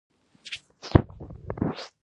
استوایي ځنګلونه ډېر رطوبت لري.